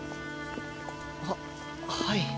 ははい。